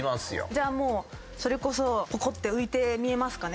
じゃあもうそれこそポコッて浮いて見えますかね？